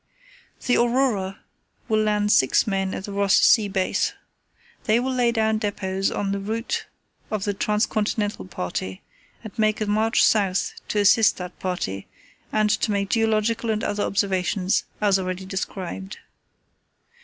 "The Aurora will land six men at the Ross Sea base. They will lay down depots on the route of the Trans continental party, and make a march south to assist that party, and to make geological and other observations as already described.